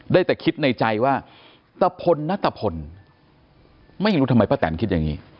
ได้แต่คิดในใจว่าตะพลนัตตะพลไม่รู้ทำไมป้าแตนคิดอย่างนี้